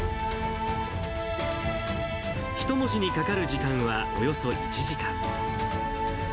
一文字にかかる時間はおよそ１時間。